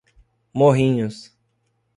Morrinhos